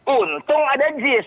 untung ada jis